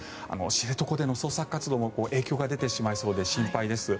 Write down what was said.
知床での捜索活動にも影響が出てしまいそうで心配です。